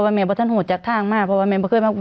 พอวันเมียบัตทานหุดจัดทางมาพอวันเมียบัตทานหุดจัดทางมา